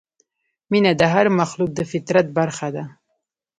مینه د هر مخلوق د فطرت برخه ده.